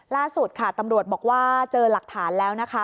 ล่าสุดค่ะตำรวจบอกว่าเจอหลักฐานแล้วนะคะ